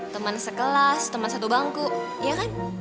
teman sekelas teman satu bangku iya kan